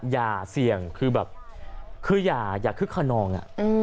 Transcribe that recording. อย่าเสี่ยงคืออย่าคึกคนนอง